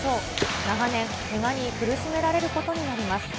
長年、けがに苦しめられることになります。